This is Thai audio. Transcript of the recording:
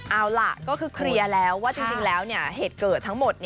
เอาล่ะก็คือเคลียร์แล้วว่าจริงแล้วเหตุเกิดทั้งหมด